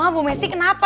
bu messi kenapa